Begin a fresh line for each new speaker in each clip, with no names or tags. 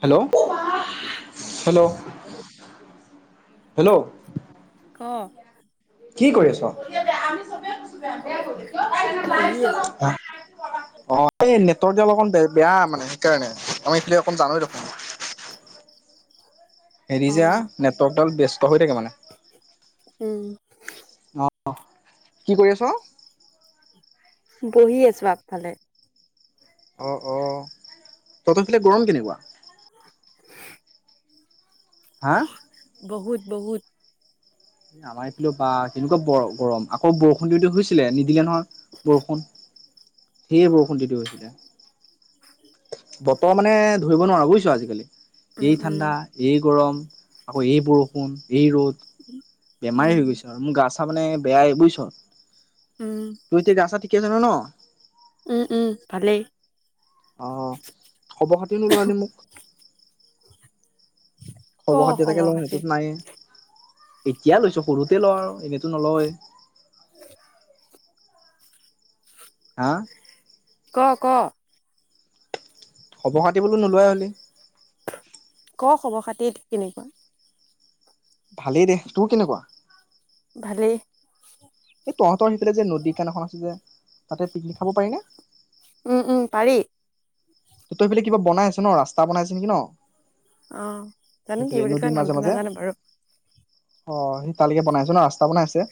Hello hello hello.
ক?
কি কৰি আছ? অঁ
বহি আছো।
এই নেটৱৰ্ক যে অলমান বেয়া মানে সেইকাৰণে। আমাৰ এইফালে অকন জানৈ দেখোন।
অ
এৰিজা নেটৱৰ্কডাল ব্যস্ত হৈ থাকে মানে।
উম।
অঁ, কি কৰি আছ?
বহি আছোঁ আগফালে।
অ অ, তহঁত পিনে গৰম কেনেকুৱা? হাঁ?
বহুত বহুত।
আমাৰ এইফালে বা কেনেকুৱা বৰ গৰম? আকৌ বৰষুণ দিওঁ দিওঁ হৈছিলে নিদিলে নহয়। বৰষুণ, এই বৰষুণ দি থৈ গৈছিলে।
[inaudible]
বতৰ মানে ধৰিব নোৱাৰোঁ বুজিছ আজিকালি
উম
এই
উম।
ঠাণ্ডা। এই গৰম আকৌ এই বৰষুণ, এই ৰ'দ বেমাৰেই
উম
হৈ গৈছে আৰু। মোৰ গা-চা মানে বেয়াই বুজিছ।
উম।
তোৰ এতিয়া গা- চা ঠিকেই আছে নহয় ন?
উম' উম' ভালেই।
অঁ, খবৰ খাতিও নোলোৱা হলি মোক।
ক
খৰব খাতি এটাকে
খবৰ
লওঁ
খাতি
সেইটো টো নাইয়েই। এতিয়া লৈছ সৰুতে লৱাও এটিয়াটো নলৱে।
[unintelligible]
হাঁ?
ক, ক?
খবৰ খাতি বোলো নোলোৱাই হলি।
ক খবৰ খাতি কেনেকুৱা?
ভালেই দেহ, তোৰ কেনেকুৱা?
ভালেই।
এই তহঁতৰ হেই পিলে যে নদী কেন এখন আছিল যে তাতে পিকনিক খাব পাৰি নে?
উম উম পাৰি।
তহঁতৰ সেইফালে কিবা বনাই আছে ন ৰাস্তা বনাই আছে নেকি ন?
অঁ জানো কি বুলি কয়? নামটো নাজানো বাৰু।
অঁ সেই তালেকে বনাইছে ন ৰাস্তা বনাই আছে,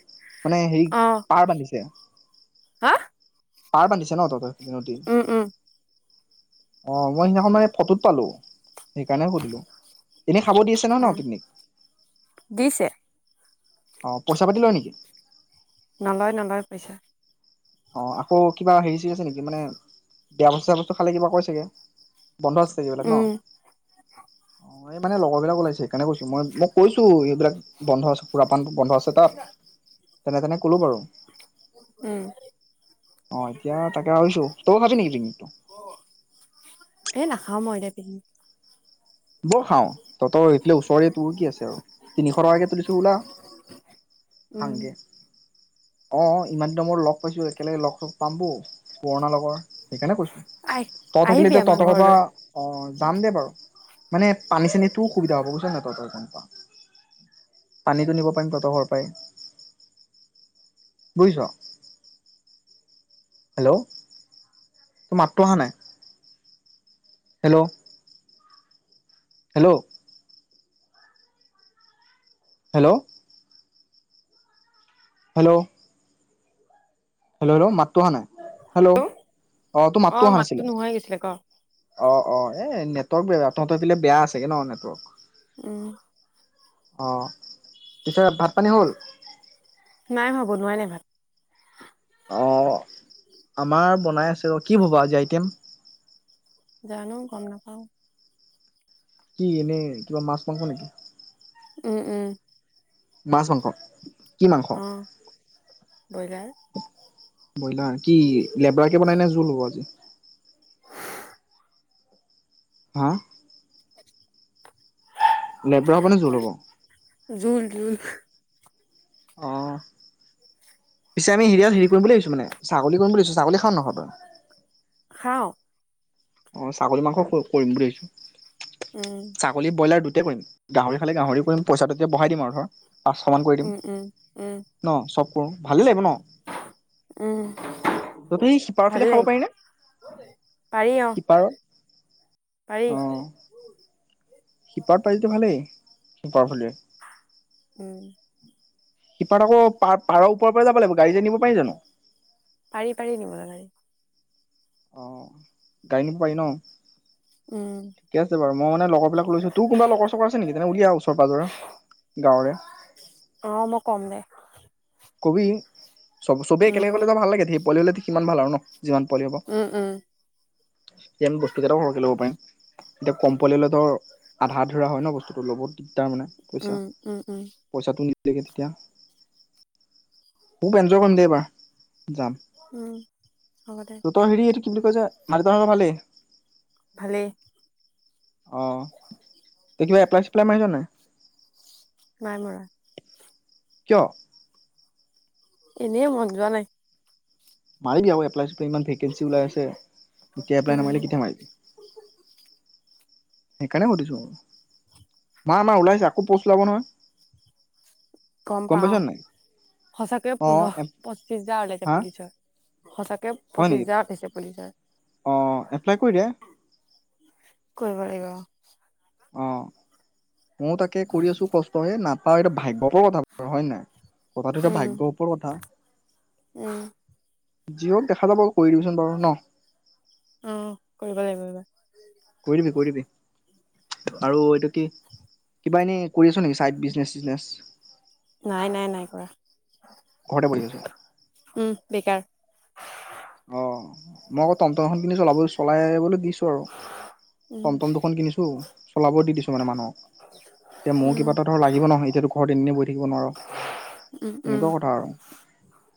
মানে হেৰি পাৰ বান্ধিছে।
হাঁ?
পাৰ বান্ধিছে ন তহঁতৰ নদি?
উম উম
অ' মই সেইদিনাখন মানে ফটোত পালো। সেইকাৰণে সুধিলো। এনে খাব দিছে ন
অ
নহয় ন পিকনিক?
দিছে।
অ', পইচা পাতি লয় নেকি?
নলয় নলয় পইচা।
অ', আকৌ কিবা হেৰি চেৰী আছে নেকি মানে বেয়া বস্তু বস্তু খালে কিবা কয় চাগে? বন্ধ আছে চাগে এইবিলাক ন?
উম
মানে লগৰ বিলাক ওলাইছে সেইকাৰনে কৈছো মই মোক কৈছো এইবিলাক বন্ধ আছে সুৰা পানটো বন্ধ আছে তাত তেনে তেনে ক'লো বাৰু।
উম।
অ', এতিয়া তাকে ভাবিছোঁ তইও খাবি নেকি পিকনিকটো?
এ নাখাও মই দে পিকনিক।
বল খাওঁ তহঁতৰ এইফালে ওচৰে তোৰ কি আছে আৰু তিনিশ টকাকে তুলিছো ওলা।
উম
[unintelligible] অ', ইমান দিনৰ মূৰত লগ পাইছোঁ একেলগে লগ পাম ব' পুৰণা লগৰ। সেইকাৰণে কৈছো,
আহ
ত থাকিলে
আহিবি আমাৰ
তহঁতৰ ঘৰৰপৰা
ঘৰলৈ
অ', যাম দে বাৰু। মানে পানী ছানিটো সুবিধা হব বুজিছ নে নাই তহঁতৰ [unintelligible] পানীটো নিব পাৰিম তহঁতৰ ঘৰৰ পাই। বুজিছ। হেল্ল' তোৰ মাতটো অহা নাই hello hello. Hello. Hello. Hello hello, মাতটো অহা নাই, হেল্ল' অ', তোৰ মাতটো অহা
মাততো
নাছিলে।
নোহোৱাই গৈছিলে ক
অ', অ', এই নেটৱৰ্ক বেয়া তহঁতৰ পিলে বেয়া চাগে নেটৱৰ্ক।
উম।
অ', পিছে ভাত- পানী হ'ল?
নাই হোৱা বনোৱাই নাই ভাত।
অ', আমাৰ বনাই আছে ৰ' কি হ'ব আজি আইটেম।
জানো গম নাপাওঁ।
কি এনেই কিবা মাছ মাংস নেকি?
উম, উম।
মাছ মাংস। কি মাংস
অ', ব্ৰইলাৰ।
ব্ৰইলাৰ কি লেবৰাকে বনাই নে জোল হ'ব আজি? হা?
[inaudible]
লেবৰা হ'ব নে জোল হ'ব?
জোল জোল।
অ', পিছে আমি হেৰিয়াত হেৰি কৰিম বুলি ভাবিছো, মানে ছাগলী কৰিম বুলি ভাবিছো ছাগলী খাওঁ নে নাখাওঁ তই?
খাওঁ।
অ', ছাগলী মাংস ক কৰিম বুলি ভাবছোঁ।
উম।
ছাগলী ব্ৰইলাৰ দুইটাই কৰিম গাহৰি খালে গাহৰি কৰিম পইচাটো তেতিয়া বহাই দিম ধৰ। পাঁচশ মান কৰি দিম
উম উম উম
ন চব কৰো ভালেই লাগিব ন।
উম
তহঁতৰ ই সিপাৰ
ভালেই
ফালে খাব
লাগিব
পাৰি নে?
পাৰি অ',
সিপাৰৰ
পাৰি।
অ সিপাৰত পাৰিলেটো ভালেই সিপাৰ ফালে।
উম।
সিপাৰত আকৌ পাৰ, পাৰ উপৰৰ পৰা যাব লাগিব গাড়ী নিব পাৰি জানো।
পাৰি, পাৰি নিবলে গাৰি।
অ'গাড়ী নিব পাৰি ন?
উম।
ঠিকেই আছে বাৰু, মই মানে লগৰ বিলাক লৈছোঁ। তোৰ কোনবা লগৰ-চগৰ আছে নেকি? তেনে উলিয়া ওচৰ পাঁজৰে। গাঁৱৰে।
অ, মই ক'ম দে।
ক'বি, চব চবেই একেলেগে
উম
গ'লেটো আউ, ভাল লাগে, ঢেই পোৱালী হ'লে দে সিমান ভাল আৰু ন? যিমান পোৱালী হ'ব।
উম, উম।
তেতিয়া আমি বস্তুকেইটাও সৰহকে ল'ব পাৰিম, এতিয়া কম পোৱালী হ'লে ধৰ আধা আধুৰা হয় ন' বস্তুটো ল'ব। দিগদাৰ মানে পইচা,
উম উম উম
পইচাটো নিমিলেগে তেতিয়া। খোপ এঞ্জয় কৰিম দে এইবাৰ, যাম।
উম, হ'ব দে।
ত'তৰ হেৰি এইটো কি বুলি কয় যে? মা-দেটাহঁতৰ ভালেই।
ভালেই।
অ, কিবা এপ্লাই-চেপ্লাই মাৰিছনে নাই?
নাই মৰা।
কিয়?
এনেই মন যোৱা নাই।
মাৰিবি আকৌ এপ্লাই-চেপ্লাই, ইমান ভেকেঞ্চি ওলাই আছে, এতিয়া এপ্লাই
উম
নামাৰিলে কেতিয়া মাৰিবি? সেইকাৰণে সুধিছো আউ। মাৰ, মাৰ ওলাইছে, আকৌ প'ষ্ট ওলাব নহয়?
গম
পাইছ
পাওঁ।
নাই
সচাকৈয়ে
অ
পোন্ধৰ, পঁচিশ হাজাৰ ওলাইছে
হা
পুলিচৰ। সঁচাকে
হয়
পঁচিছ
নেকি
হাজাৰ উঠিছে পুলিচৰ।
অ', এপ্লাই কৰি দিয়া
কৰিব লাগিব ৰ।
অ', ময়ো তাকে কৰি আছোঁ কষ্ট, এ নাপাওঁ, এইটো ভাগ্য ওপৰ কথা হয় নাই? কথাটোত
উম
ভাগ্য ওপৰত কথা।
উম
যি হওঁক দেখা যাব, কৰি দিবিচোন বাৰু ন?
উম, কৰিব লাগিব এইবাৰ।
কৰি দিবি, কৰি দিবি আৰু এইটো কি? কিবা এনেই কৰি আছ নেকি? চাইড বিজনেছ-চিজনেছ?
নাই, নাই, নাই কৰা।
ঘৰতে বহি আছ
উম, বেকাৰ।
অ' মই আকৌ টমটম এখন কিনি চলাব দিছোঁ, চলাই-চলাবলৈ দিছোঁ আৰু।
উম,
টমটম দুখন কিনিছোঁ, চলাব দি দিছোঁ মানে মানুহক।
[inaudible]
এতিয়া মোৰ কিবা এটা ধৰ লাগিব নহয়, এতিয়াটো ঘৰত এনে, এনে বহি থাকিব নোৱাৰ।
উম, উম,
তেনেকুৱা কথা আৰু,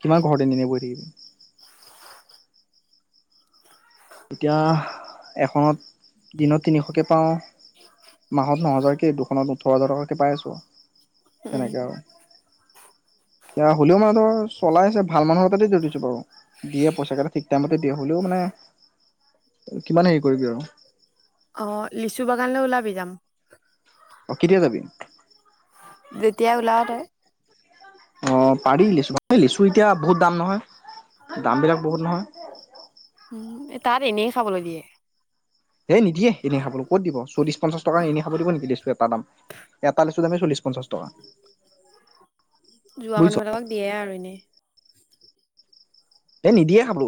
কিমান ঘৰত এনে এনে বহি থাকিবি? এতিয়াহ এখনত দিনত তিনিশকে পাওঁ, মাহত ন'হাজাৰকে দুখনত ও ওঠৰ হাজাৰ টকাকে পাই আছোঁ,
উম।
তেনেকে আৰু। এতিয়া হ'লেও মানে ধৰ চলাই আছে, ভাল মানুহৰ তাতে দি থৈ দিছোঁ বাৰু। দিয়ে, পইচাকেইটা ঠিক টাইমতে দিয়ে। হ'লেও মানে কিমান হেৰি কৰিবি আৰু
অ'লিচু বাগানলে ওলাবি, যাম।
অ, কেতিয়া যাবি?
যেতিয়া ওলাৱ তই।
[inaudible] অ'পাৰি লিচু বাগান, এই লিচু এতিয়া বহুত দাম নহয়, দাম বিলাক বহুত নহয়।
উম, এ, তাত এনেই খাবলৈ দিয়ে।
হেই নিদিয়ে, এনেই খাব। ক'ত দিব? চল্লিছ, পঞ্চাছ টকা এনে খাব দিব নেকি? লিচু এটা দাম। এটা লিচুৰ দামেই চলিশ পঞ্চাছ টকা।
যোৱা
বুজিছ
মানুহবিলাকক দিয়ে আৰু এনে।
এ নিদিয়ে খাবো।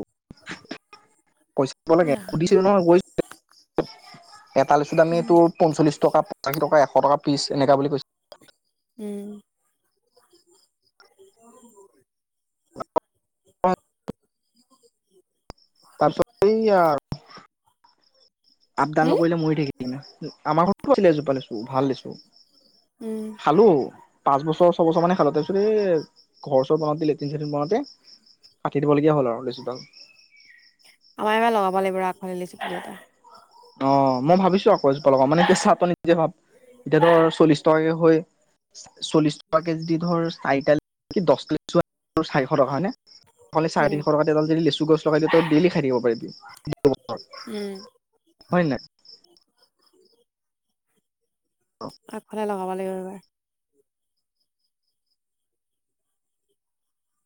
পইচা দিব লাগে [unintelligible]
জানো।
সুধিছিলোঁ নহয়, গৈ এটা লিচু দাম তোৰ পঞ্চল্লিছ টকা, পঁচাশী টকা, এশ টকা পিছ এনেকা বুলি কৈছিলে।
উম।
[inaudible] তাৰপাছত সেইয়া আপ-ডাউন
হুম?
নকৰিলে মৰি থাকিলি [unintelligible] আমাৰ ঘৰতো আছিলে এজোপা লিচু ভাল লিচু।
উম,
খালো। পাঁচ বছৰ, ছবছৰ মানে খালো, তাৰ পিছত এই, ঘৰ-চৰ বনাওতে, লেট্ৰিন-চেট্ৰিন বনাওঁতে কাটি দিবলগীয়া হ'ল আৰু লিচুডাল।
আমাৰ এইবাৰ লগাব লাগিব ৰ' আগফালে লিচু পুলি এটা।
অ', মই ভাবিছো আকৌ এজোপা লগাও, মানে কি চা তই নিজে ভাব, এতিয়া ধৰ চল্লিশ টকাকে হৈ চল্লিশ টকা কেজি ধৰ চাৰিটা [unintelligible] চাৰিশ টকা হয়নে?
উম।
চাৰেতিনিশতে এডাল যদি লেচু গছ লগাই দিওঁ তই ডেইলি খাই থাকিব পাৰিবি।
উম,
হয় নাই?
আগফালে লগাব লাগিব এইবাৰ।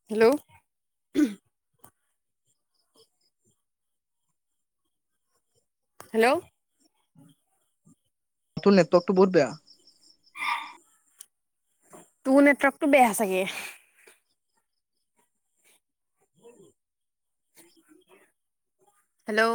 হেল্ল'! হেল্ল'!
তো লেটপটো বহুত বেয়া।
তো নেটৱৰ্কটো বেয়া চাগে। হেল্ল'!